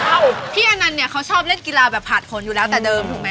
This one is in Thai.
พี่อนันต์เนี่ยเขาชอบเล่นกีฬาแบบผ่านผลอยู่แล้วแต่เดิมถูกไหม